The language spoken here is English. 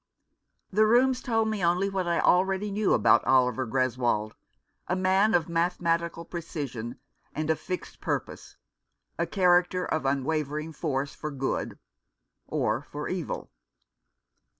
The rooms told me only what I already knew about Oliver Greswold — a man of mathematical precision and of fixed purpose, a character of un wavering force for good or for evil.